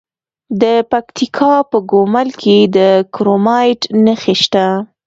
د پکتیکا په ګومل کې د کرومایټ نښې شته.